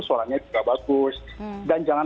suaranya juga bagus dan jangan